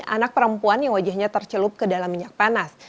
anak perempuan yang wajahnya tercelup ke dalam minyak panas